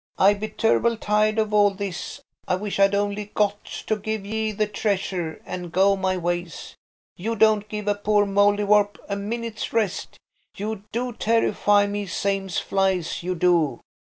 I be turble tired of all this. I wish I'd only got to give ye the treasure and go my ways. You don't give a poor Mouldiwarp a minute's rest. You do terrify me same's flies, you do."